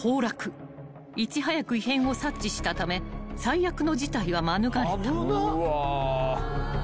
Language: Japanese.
［いち早く異変を察知したため最悪の事態は免れた］